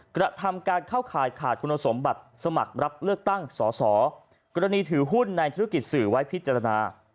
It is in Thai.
กระทำการเข้าข่ายขาดคุณสมบัติสมัครรับเลือกตั้งสอสอกรณีถือหุ้นในธุรกิจสื่อไว้พิจารณา